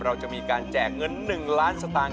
เราจะมีการแจกเงิน๑ล้านสตางค์